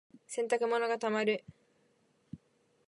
洗濯物が溜まる。